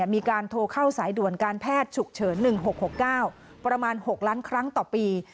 มีการโทรเข้าสายด่วนการแพทย์ฉุกเฉิน๑๖๖๙ประมาณ๖ล้านครั้งต่อปี